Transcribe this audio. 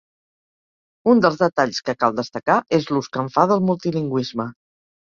Un dels detalls que cal destacar és l'ús que en fa del multilingüisme.